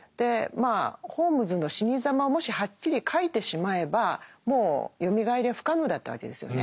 まあホームズの死に様をもしはっきり書いてしまえばもうよみがえりは不可能だったわけですよね。